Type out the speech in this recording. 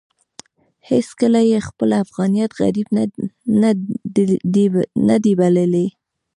هېڅکله يې خپل افغانيت غريب نه دی بللی.